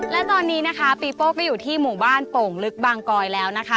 และตอนนี้นะคะปีโป้ก็อยู่ที่หมู่บ้านโป่งลึกบางกอยแล้วนะคะ